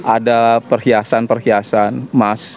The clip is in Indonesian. ada perhiasan perhiasan emas